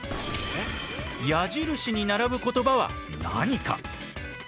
矢印に並ぶ言葉は何か？